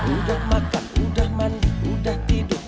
udah makan udah mandi udah tidur